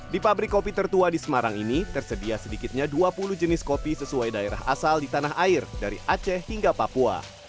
di pabrik kopi tertua di semarang ini tersedia sedikitnya dua puluh jenis kopi sesuai daerah asal di tanah air dari aceh hingga papua